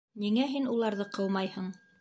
Ниңә һин уларҙы ҡыумайһың?